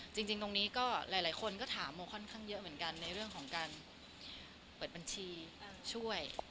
จริงตรงนี้ก็หลายคนก็ถามโมค่อนข้างเยอะเหมือนกันในเรื่องของการเปิดบัญชีช่วย